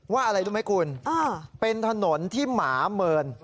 อะไรรู้ไหมคุณเป็นถนนที่หมาเมิน